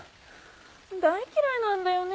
大嫌いなんだよね。